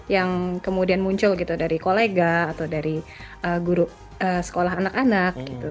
yang kemudian muncul gitu dari kolega atau dari guru sekolah anak anak gitu